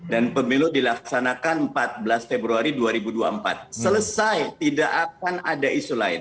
dan pemilu dilaksanakan empat belas februari dua ribu dua puluh empat selesai tidak akan ada isu lain